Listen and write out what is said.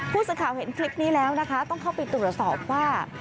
ผู้สื่อข่าวเห็นคลิปนี้แล้วนะคะต้องเข้าไปตรวจสอบว่า